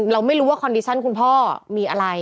เราไม่รู้ว่าคอนดิชั่นคุณพ่อมีอะไร